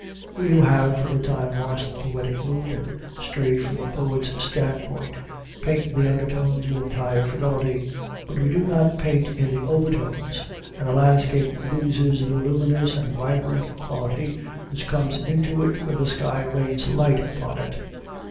We who have for a time lost the poetic mood and strayed from the poet's standpoint paint the undertones with entire fidelity; but we do not paint in the overtones, and the landscape loses the luminous and vibrant quality which comes into it when the sky rains light upon it.